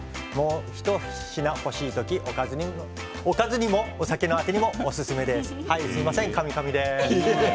一品欲しい時おかずにもお酒のあてにもおすすめです。